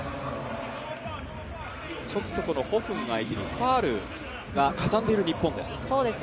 ホ・フン相手にファウルがかさんでいる日本です。